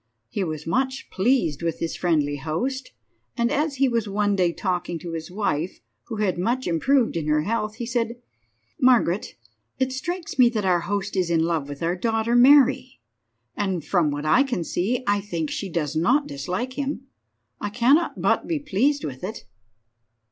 He was much pleased with his friendly host, and as he was one day talking to his wife, who had much improved in her health, he said— "Margaret, it strikes me that our host is in love with our daughter Mary, and, from what I can see, I think she does not dislike him. I cannot but be pleased with it."